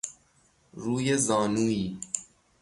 روی زانویی